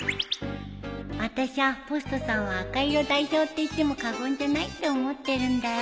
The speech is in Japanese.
あたしゃポストさんは赤色代表っていっても過言じゃないって思ってるんだよ